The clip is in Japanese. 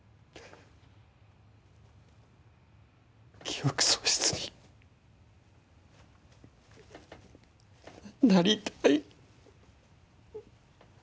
記憶喪失になりたい。